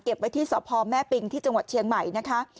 ไว้ที่สพแม่ปิงที่จังหวัดเชียงใหม่นะคะ